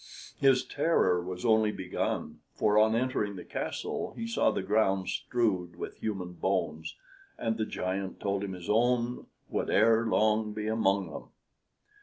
His terror was only begun, for, on entering the castle, he saw the ground strewed with human bones, and the giant told him his own would ere long be among them.